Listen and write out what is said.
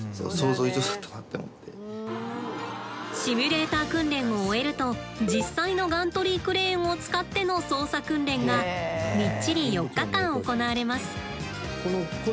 シミュレーター訓練を終えると実際のガントリークレーンを使っての操作訓練がみっちり４日間行われます。